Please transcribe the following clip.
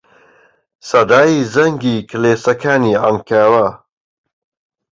سەدای زەنگی کڵێسەکانی عەنکاوە